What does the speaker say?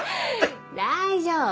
大丈夫！